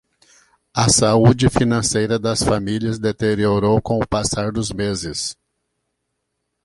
A saúde financeira das famílias deteriorou com o passar dos meses